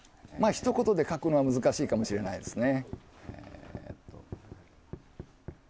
ひと言で書くのは難しいかもしれないですね。